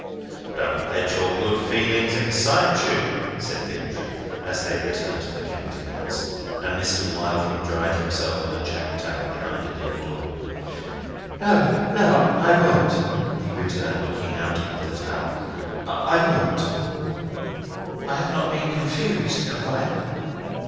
"Don't let your good feelings excite you," said Bintrey, as they returned to the counting house, and Mr. Wilding dried himself on a jack towel behind an inner door. "No, no. I won't," he returned, looking out of the towel. "I won't. I have not been confused, have I?"